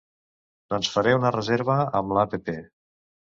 Doncs faré una reserva amb la app.